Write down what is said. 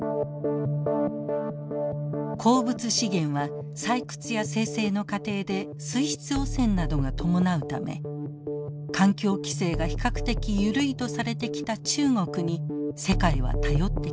鉱物資源は採掘や精製の過程で水質汚染などが伴うため環境規制が比較的緩いとされてきた中国に世界は頼ってきました。